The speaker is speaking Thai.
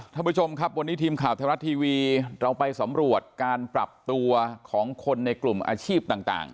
ท่านผู้ชมครับวันนี้ทีมข่าวไทยรัฐทีวีเราไปสำรวจการปรับตัวของคนในกลุ่มอาชีพต่าง